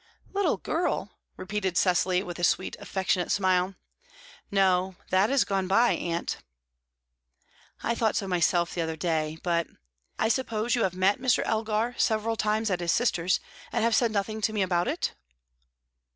"Little girl?" repeated Cecily, with a sweet, affectionate smile. "No; that has gone by, aunt." "I thought so myself the other day; but I suppose you have met Mr. Elgar several times at his sister's, and have said nothing to me about it?"